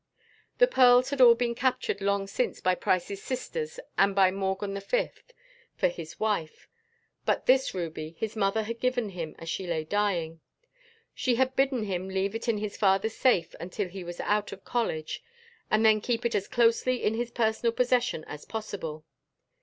The pearls had all been captured long since by Price's sisters and by Morgan V. for his wife; but this ruby his mother had given him as she lay dying. She had bidden him leave it in his father's safe until he was out of college, and then keep it as closely in his personal possession as possible.